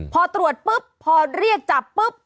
พอตรวจปุ๊บพอเรียกจับปุ๊บ